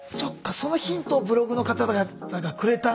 そのヒントをブログの方々がくれたんだ。